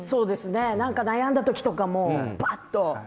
悩んだ時とかもばっと。